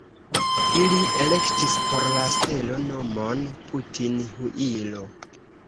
Ili elektis por la stelo nomon Putin-Huilo!.